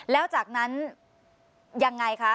แล้วจากนั้นยังไงคะ